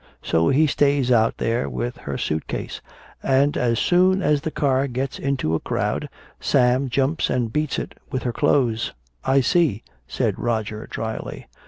So he stays out there with her suit case and as soon as the car gets into a crowd, Sam jumps and beats it with her clothes." "I see," said Roger dryly.